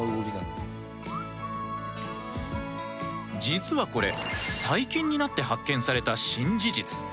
実はこれ最近になって発見された新事実。